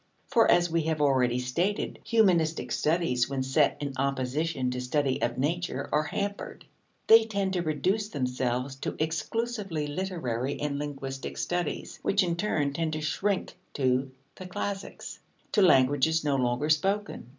For, as we have already stated, humanistic studies when set in opposition to study of nature are hampered. They tend to reduce themselves to exclusively literary and linguistic studies, which in turn tend to shrink to "the classics," to languages no longer spoken.